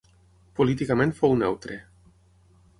Políticament fou neutre.